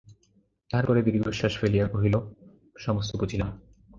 তাহার পরে দীর্ঘনিশ্বাস ফেলিয়া কহিল, সমস্ত বুঝিলাম।